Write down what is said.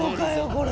これ。